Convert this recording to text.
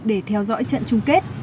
để theo dõi trận chung kết